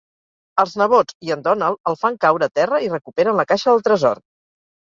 Els nebots i en Donald el fan caure a terra i recuperen la caixa del tresor.